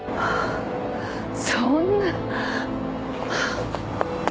そんな。